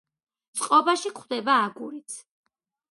წყობაში გვხვდება აგურიც.